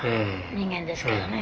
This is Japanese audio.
人間ですからね。